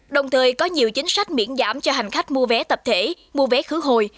đồng thời có nhiều chính sách miễn giảm cho hành khách mua vé tập thể mua vé khứ hồi